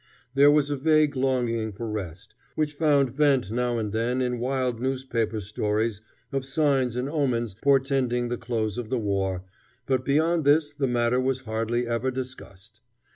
There was a vague longing for rest, which found vent now and then in wild newspaper stories of signs and omens portending the close of the war, but beyond this the matter was hardly ever discussed.